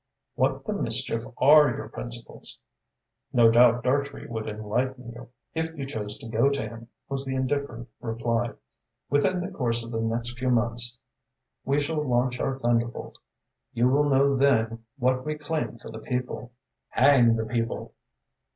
"What the mischief are your principles?" "No doubt Dartrey would enlighten you, if you chose to go to him," was the indifferent reply. "Within the course of the next few months we shall launch our thunderbolt. You will know then what we claim for the people." "Hang the people!"